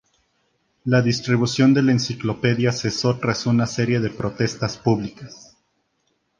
La distribución de la enciclopedia cesó tras una serie de protestas públicas.